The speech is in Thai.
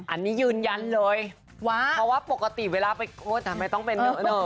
อันนี้ยืนยันเลยว่าเพราะว่าปกติเวลาไปทำไมต้องเป็นเยอะเลย